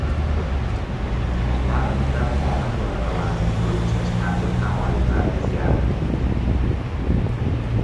Parlamentda qonun loyihalarini ko‘rib chiqish tartib-taomili o‘zgardi